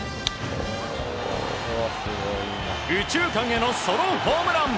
右中間へのソロホームラン！